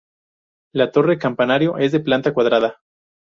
La torre-campanario es de planta cuadrada.